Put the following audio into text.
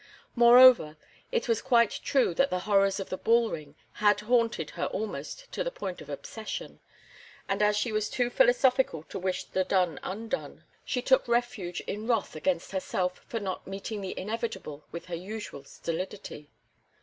Moreover, it was quite true that the horrors of the bull ring had haunted her almost to the point of obsession, and as she was too philosophical to wish the done undone, she took refuge in wrath against herself for not meeting the inevitable with her usual stolidity.